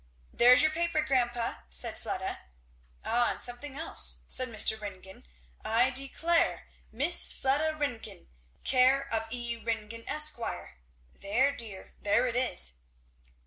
"There's your paper, grandpa," said Fleda. "Ay, and something else," said Mr. Ringgan: "I declare! Miss Fleda Ringgan care of E. Ringgan, Esq.' There, dear, there it is."